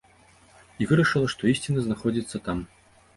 І вырашыла, што ісціна знаходзіцца там.